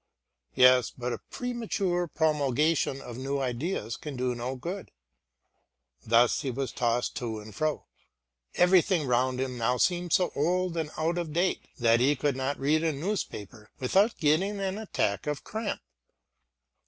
Yes, but a premature promulgation of new ideas can do no good. Thus he was tossed to and fro. Everything round him now seemed so old and out of date that he could not read a newspaper without getting an attack of cramp.